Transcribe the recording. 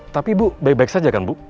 tapi ibu baik baik saja kan bu